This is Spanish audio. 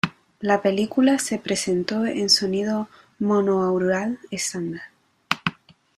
La película se presentó en sonido monoaural estándar.